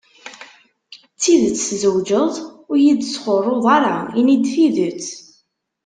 D tidet tzewǧeḍ? ur iyi-d-sxurruḍ ara, ini-d tidet.